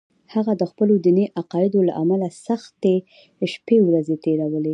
هغه د خپلو دیني عقایدو له امله سختې شپې ورځې تېرولې